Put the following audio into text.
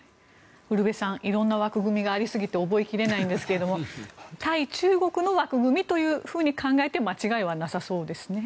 ウルヴェさんいろいろな枠組みがあって覚えきれないんですけど対中国の枠組みと考えて間違えはなさそうですね。